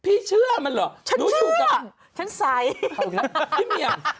พี่เชื่อมันหรือนุ้ยอยู่กับฉันเชื่อฉันใส